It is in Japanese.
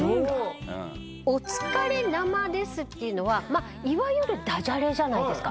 「おつかれ生です」っていうのはいわゆる駄じゃれじゃないですか。